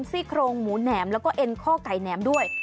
ซี่โครงหมูแหนมแล้วก็เอ็นข้อไก่แหนมด้วย